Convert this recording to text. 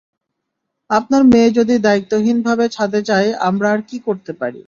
আপনার মেয়ে যদি দায়িত্বহীনভাবে ছাদে যায়, আমরা আর কি করতে পারি?